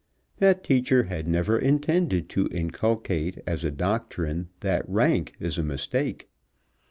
That teacher had never intended to inculcate as a doctrine that rank is a mistake.